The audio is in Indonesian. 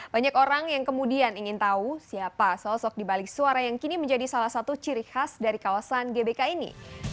banyak orang yang kemudian ingin tahu siapa sosok dibalik suara yang kini menjadi salah satu ciri khas dari kawasan gbk ini